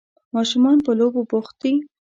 ماشومان په لوبو بوخت دي.